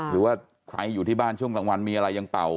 หรือว่าใครอยู่ที่บ้านช่วงกลางวันมีอะไรยังเป่า